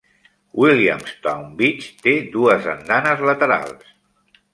Williamstown Beach té dues andanes laterals.